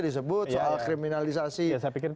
disebut soal kriminalisasi saya pikir